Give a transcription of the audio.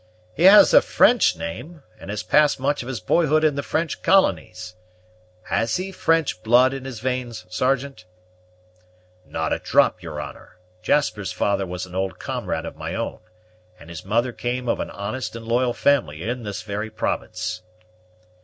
"He has a French name, and has passed much of his boyhood in the French colonies; has he French blood in his veins, Sergeant?" "Not a drop, your honor. Jasper's father was an old comrade of my own, and his mother came of an honest and loyal family in this very province."